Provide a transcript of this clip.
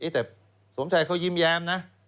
แต่สมชัยเขายิ้มแย้มนะ